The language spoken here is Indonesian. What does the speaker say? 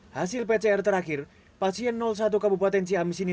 hasil pcr terakhir pasien satu kabupaten ciamis ini